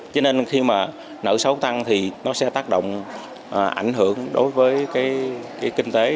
cho nên khi mà nợ xấu tăng thì nó sẽ tác động ảnh hưởng đối với cái kinh tế